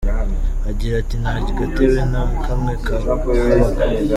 Agira ati “Nta gatebe na kamwe kahabaga.